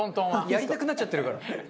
やりたくなっちゃってるから。